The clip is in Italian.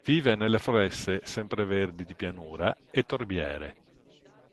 Vive nelle foreste sempreverdi di pianura e torbiere.